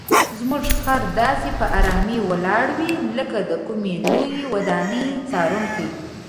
زموږ خر داسې په آرامۍ ولاړ وي لکه د کومې لویې ودانۍ څارونکی.